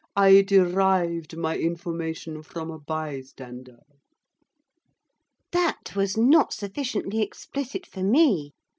I derived my information from a bystander.' That was not sufficiently explicit for me.